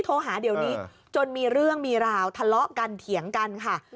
โทรหาเดี๋ยวนี้จนมีเรื่องมีราวทะเลาะกันเถียงกันค่ะ